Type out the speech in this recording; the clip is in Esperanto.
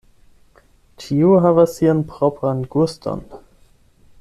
Ĉiu havas sian propran guston.